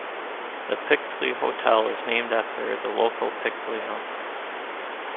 The Pytchley Hotel is named after the local Pytchley hunt.